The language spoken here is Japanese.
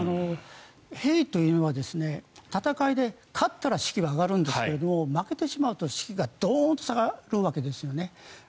兵というのは、戦いで勝ったら士気は上がるんですが負けてしまうと、士気がドーンと下がるわけですね。